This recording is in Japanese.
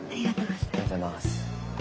ありがとうございます。